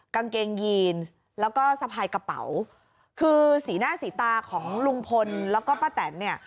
กางเกงยีนแล้วก็สะพายกระเป๋าคือสีหน้าสีตาของลุงพลแล้วก็ป้าแตนเนี่ย